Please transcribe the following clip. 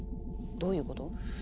どういうこと？